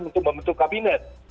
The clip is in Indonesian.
untuk membentuk kabinet